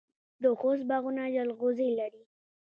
د خوست باغونه جلغوزي لري.